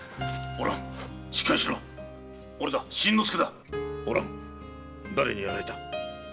おらんだれにやられた？